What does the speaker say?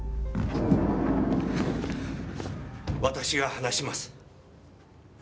私が話します。